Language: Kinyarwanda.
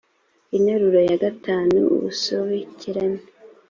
interuro ya gatanu ubusobekerane